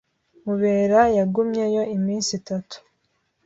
Mubera yagumyeyo iminsi itatu.